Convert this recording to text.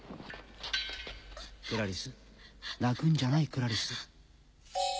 クラリス泣くんじゃないクラリス。